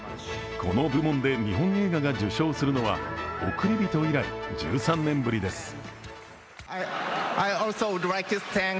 この部門で日本映画が受賞するのは「おくりびと」以来１３年ぶりです。